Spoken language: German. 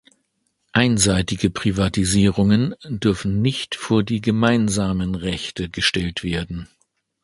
Einseitige Privatisierungen dürfen nicht vor die gemeinsamen Rechte gestellt werden.